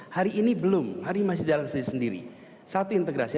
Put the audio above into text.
hari ini belum hari ini masih jalan sendiri